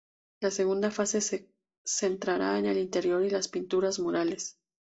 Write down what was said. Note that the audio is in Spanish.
La segunda fase se centrará en el interior y las pinturas murales.